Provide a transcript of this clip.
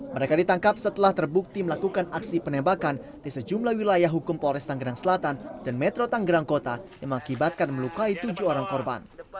mereka ditangkap setelah terbukti melakukan aksi penembakan di sejumlah wilayah hukum polres tanggerang selatan dan metro tanggerang kota yang mengakibatkan melukai tujuh orang korban